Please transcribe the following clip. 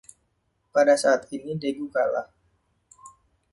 Pada saat ini, Daegu kalah.